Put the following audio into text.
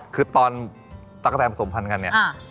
คือตอนตะกะแนนผสมพันธ์กันเนี่ย